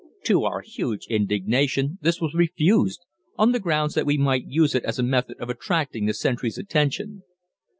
To our huge indignation this was refused, on the grounds that we might use it as a method of attracting the sentries' attention.